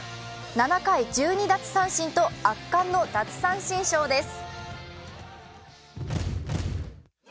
７回１２奪三振と圧巻の奪三振ショーです。